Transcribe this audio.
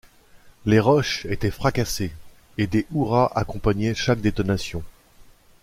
Les roches étaient fracassées, et des hurrahs accompagnaient chaque détonation